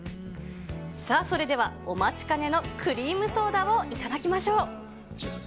それではお待ちかねのクリームソーダを頂きましょう。